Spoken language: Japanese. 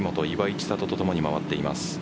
千怜とともに回っています。